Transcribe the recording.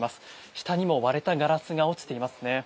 下にも割れたガラスが落ちていますね。